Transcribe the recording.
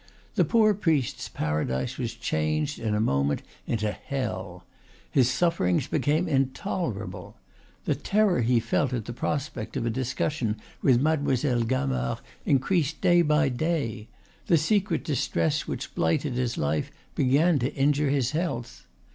The poor priest's paradise was changed, in a moment, into hell. His sufferings became intolerable. The terror he felt at the prospect of a discussion with Mademoiselle Gamard increased day by day; the secret distress which blighted his life began to injure his health.